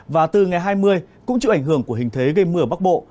và từ ngày hai mươi cũng chịu ảnh hưởng của hình thế gây mưa ở bắc bộ